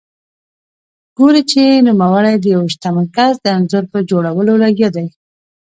ګوري چې نوموړی د یوه شتمن کس د انځور په جوړولو لګیا دی.